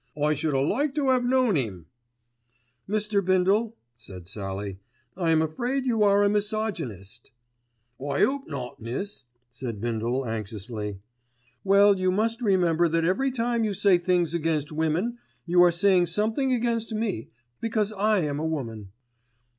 '"I should a' like to 'ave known 'im." "Mr. Bindle," said Sallie, "I am afraid you are a misogynist." "I 'ope not, miss," said Bindle anxiously. "Well you must remember that every time you say things against women you are saying something against me, because I am a woman."